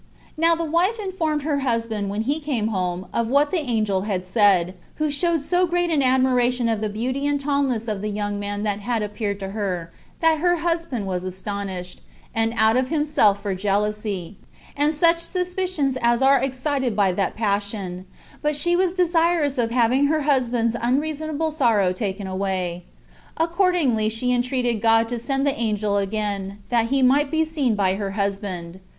3. Now the wife informed her husband when he came home of what the angel had said, who showed so great an admiration of the beauty and tallness of the young man that had appeared to her, that her husband was astonished, and out of himself for jealousy, and such suspicions as are excited by that passion: but she was desirous of having her husband's unreasonable sorrow taken away; accordingly she entreated God to send the angel again, that he might be seen by her husband.